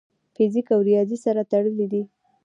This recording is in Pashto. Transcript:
فزیک او ریاضي سره تړلي دي.